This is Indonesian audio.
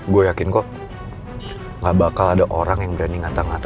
gue yakin kok gak bakal ada orang yang berani ngatain atau ngejar lo